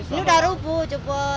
ini udah rubuh jubul